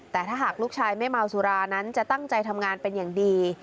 แต่ถ้าหากลูกชายไม่เมาสุรานั้นจะตั้งใจทำงานเป็นอย่างดี